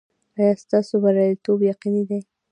ایا ستاسو بریالیتوب یقیني دی؟